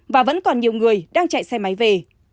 và vẫn còn nhiều người đang chạy xe máy về